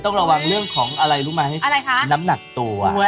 ต้องระวังเรื่องของอะไรรู้ไหมอะไรคะน้ำหนักตัว